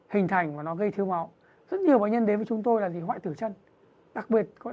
hình thành và nó gây thiếu máu rất nhiều bệnh nhân đến với chúng tôi là gì hoại tử chân đặc biệt